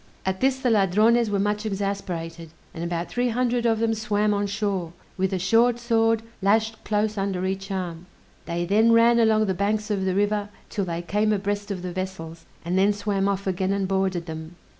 At this the Ladrones were much exasperated, and about three hundred of them swam on shore, with a short sword lashed close under each arm; they then ran along the banks of the river 'till they came abreast of the vessels, and then swam off again and boarded them.